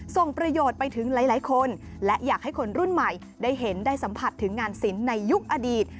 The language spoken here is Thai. ส่งประโยชน์ไปถึงหลายคนและอยากให้คนรุ่นใหม่ได้เห็นได้สัมผัสถึงงานศิลป์ในยุคอดีต